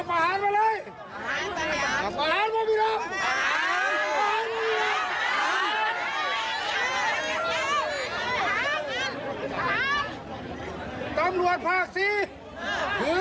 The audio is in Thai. แกแกะอำนาจสิทธิของผู้ชมหา